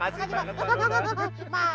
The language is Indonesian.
makasih pak lurah